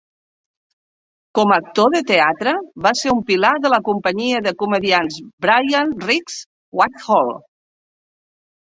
Com a actor de teatre va ser un pilar de la companyia de comediants Brian Rix's Whitehall.